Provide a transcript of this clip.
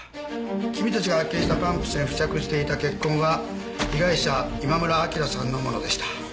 君たちが発見したパンプスに付着していた血痕は被害者今村明さんのものでした。